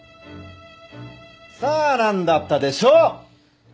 さあ何だったでしょう？